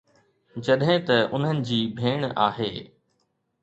جڏهن ته انهن جي ڀيڻ آهي